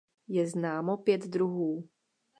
Je známo pět druhů.